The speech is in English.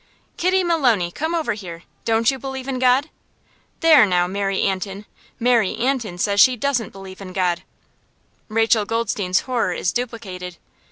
"Kitty Maloney! Come over here. Don't you believe in God? There, now, Mary Antin! Mary Antin says she doesn't believe in God!" Rachel Goldstein's horror is duplicated.